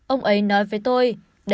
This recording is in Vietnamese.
ông ấy nói với tôi